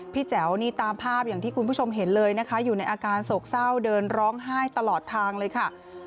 แจ๋วนี่ตามภาพอย่างที่คุณผู้ชมเห็นเลยนะคะอยู่ในอาการโศกเศร้าเดินร้องไห้ตลอดทางเลยค่ะ